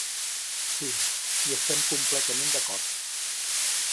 Sí, hi estem completament d’acord.